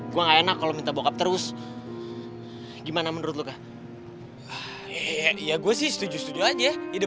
gua nggak enak kalau minta bokap terus gimana menurut lu kak ya gue sih setuju setuju aja ide